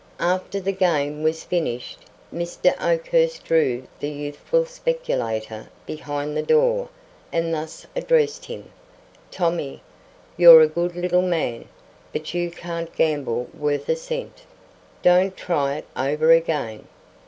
After the game was finished, Mr. Oakhurst drew the youthful speculator behind the door and thus addressed him: "Tommy, you're a good little man, but you can't gamble worth a cent. Don't try it over again."